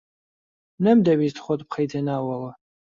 نەمدەویست خۆت بخەیتە ناوەوە.